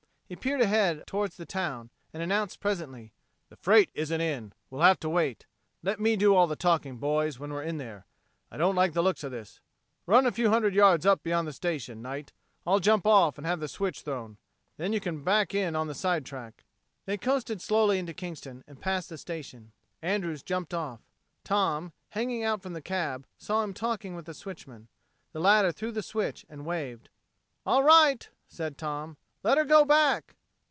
He peered ahead toward the town, and announced presently, "The freight isn't in. We'll have to wait. Let me do all the talking, boys, when we're in there. I don't like the looks of this. Run a few hundred yards up beyond the station, Knight. I'll jump off and have the switch thrown, and then you can back in on the side track." They coasted slowly into Kingston, and passed the station. Andrews jumped off. Tom, hanging out from the cab, saw him talking with the switchman. The latter threw the switch and waved. "All right," said Tom. "Let her go back."